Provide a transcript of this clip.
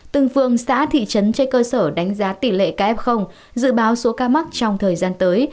từng phương xã thị trấn trên cơ sở đánh giá tỷ lệ kf dự báo số ca mắc trong thời gian tới